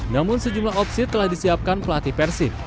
namun sejumlah opsi telah disiapkan pelatih persib